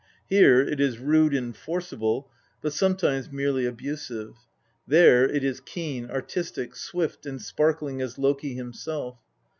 Here it is rude and forcible, but sometimes merely abusive ; there it is keen, artistic, swift and sparkling as Loki himself.